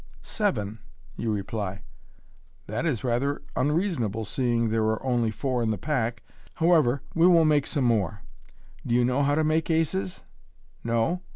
"Seven!" you reply j "that is rather unreasonable, seeing there are only four in the pack. How ever, we will make some more. Do you know how to make aces ? No